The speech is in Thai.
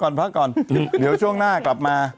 พักก่อนเดี๋ยวช่วงหน้ากลับมา